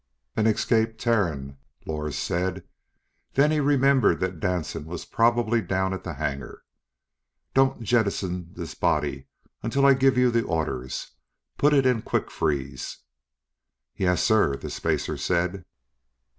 "An escaped Terran," Lors said, then he remembered that Danson was probably down at the hangar. "Don't jettison this body until I give you the orders. Put it in quick freeze." "Yes, sir," the spacer said.